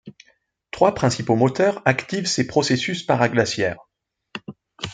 Trois principaux moteurs activent ces processus paraglaciaires.